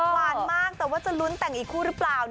หวานมากแต่ว่าจะลุ้นแต่งอีกคู่หรือเปล่า